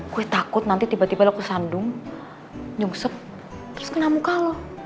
gue takut nanti tiba tiba lo ke sandung nyungsep terus ke namunka lo